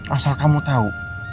asal kamu tau